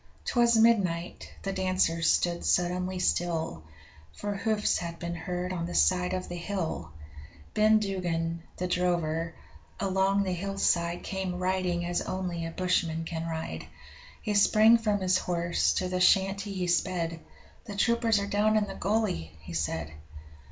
'Twas midnight the dancers stood suddenly still, For hoofs had been heard on the side of the hill! Ben Duggan, the drover, along the hillside Came riding as only a bushman can ride. He sprang from his horse, to the shanty he sped 'The troopers are down in the gully!' he said.